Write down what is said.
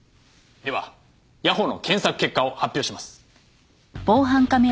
では谷保の検索結果を発表します。